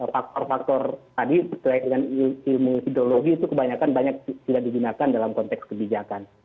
faktor faktor tadi terkait dengan ilmu ideologi itu kebanyakan banyak tidak digunakan dalam konteks kebijakan